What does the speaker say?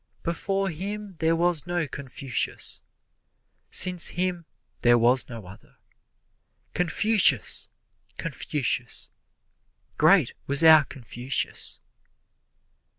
Before him there was no Confucius, Since him there was no other. Confucius! Confucius! Great was our Confucius!